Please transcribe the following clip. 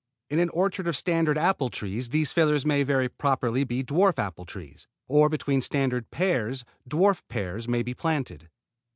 In an orchard of standard apple trees these fillers may very properly be dwarf apple trees; or between standard pears dwarf pears may be planted.